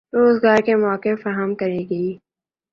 روزگار کے مواقع فراہم کرے گی